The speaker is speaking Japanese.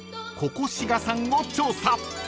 ここ滋賀さんを調査］